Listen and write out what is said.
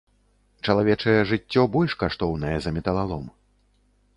Чалавечае жыццё больш каштоўнае за металалом.